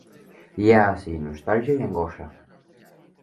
Hi ha ací nostàlgia i angoixa.